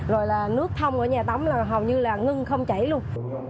rồi là nước thông ở nhà tắm là hầu như là ngưng không chảy luôn